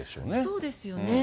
そうですよね。